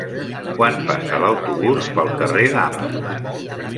Quan passa l'autobús pel carrer Dames?